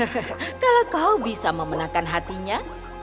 hahaha kalau kau bisa memenangkan hatinya